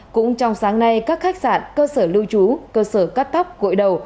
cũng trong sáng nay các khách sạn cơ sở lưu trú cơ sở cắt tóc gội đầu